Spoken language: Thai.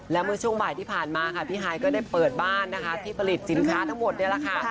และเมื่อช่วงบ่ายที่ผ่านมาค่ะพี่ฮายก็ได้เปิดบ้านนะคะที่ผลิตสินค้าทั้งหมดนี่แหละค่ะ